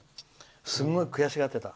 すごい悔しがってた。